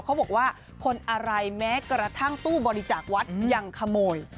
เขาบอกว่าคนอะไรแม้กระทั่งตู้บริจาควัดยังขโมย